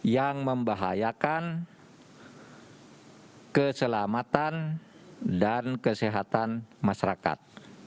yang membahayakan keselamatan dan kesehatan masyarakat